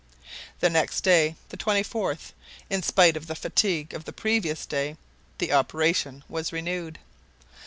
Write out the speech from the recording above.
The next day, the 24th, in spite of the fatigue of the previous day, the operation was renewed.